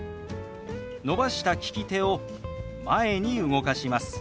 伸ばした利き手を前に動かします。